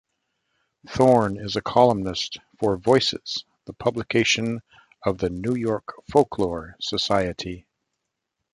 Thorn is a columnist for "Voices", the publication of the New York Folklore Society.